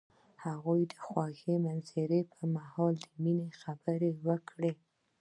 هغه د خوږ منظر پر مهال د مینې خبرې وکړې.